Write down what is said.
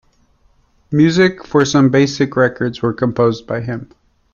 Music for some basic records were composed by him.